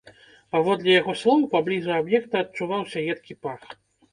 Паводле яго слоў, паблізу аб'екта адчуваўся едкі пах.